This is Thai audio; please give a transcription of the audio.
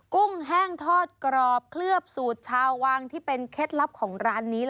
กุ้งแห้งทอดกรอบเคลือบสูตรชาววังที่เป็นเคล็ดลับของร้านนี้